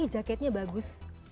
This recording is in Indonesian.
ih jaketnya bagus